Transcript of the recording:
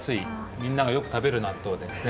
みんながよくたべるなっとうですね